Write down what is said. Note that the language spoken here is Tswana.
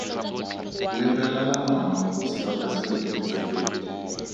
Lebelela nawa sebaka sa dibeke tse pedi.